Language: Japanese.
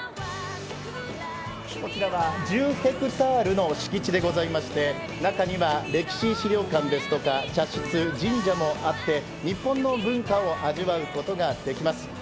こちらは１０ヘクタールの敷地でありまして中には歴史資料館ですとか茶室、神社もあって日本の文化を味わうことができます。